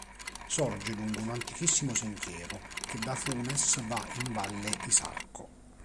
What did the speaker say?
Sorge lungo un antichissimo sentiero che da Funes va in valle Isarco.